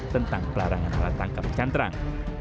tentang pelarangan alat tangkap cantrang